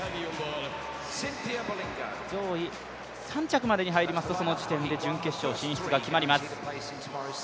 上位３着までに入りますとその時点で準決勝進出が決まります。